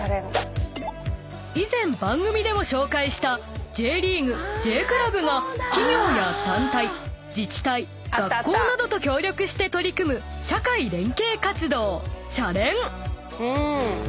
［以前番組でも紹介したＪリーグ・Ｊクラブが企業や団体自治体学校などと協力して取り組む社会連携活動シャレン！］